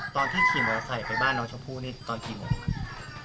ตอนที่ขี่มอเตอร์ไซค์ไปบ้านน้องชมพู่นี่ตอนกี่โมงครับ